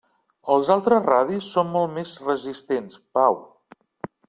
Els altres radis són molt més resistents, Pau!